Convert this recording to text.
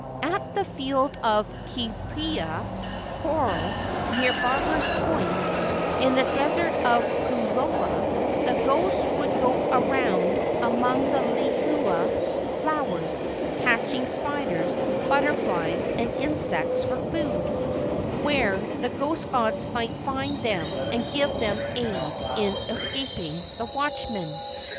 At the field of kaupea (coral) near Barbers Point, in the desert of Puuloa, the ghosts would go around among the lehua flowers, catching spiders, butterflies, and insects for food, where the ghost gods might find them and give them aid in escaping the watchmen.